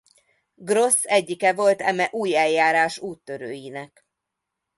Gross egyike volt eme új eljárás úttörőinek.